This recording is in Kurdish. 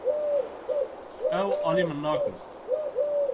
Ew alî min nakin.